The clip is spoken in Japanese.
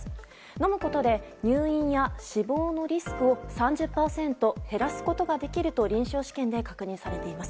飲むことで入院や死亡のリスクを３０％減らすことができると臨床試験で確認されています。